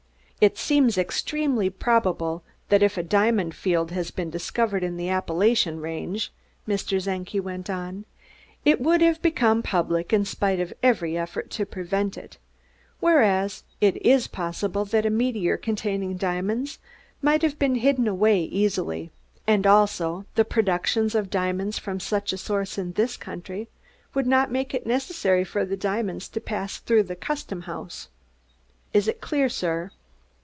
"It seems extremely probable that if diamond fields had been discovered in the Appalachian Range," Mr. Czenki went on, "it would have become public in spite of every effort to prevent it; whereas, it is possible that a meteor containing diamonds might have been hidden away easily; and, also, the production of diamonds from such a source in this country would not make it necessary for the diamonds to pass through the Custom House. Is it clear, sir?"